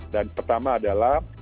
dan pertama adalah